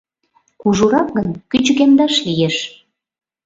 — Кужурак гын, кӱчыкемдаш лиеш.